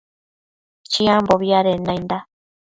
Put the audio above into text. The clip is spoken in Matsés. Chiambobi adenda nainda